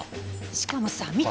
しかもさ見て！